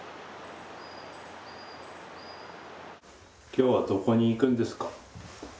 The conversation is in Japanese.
きょうはどこに行くんですか？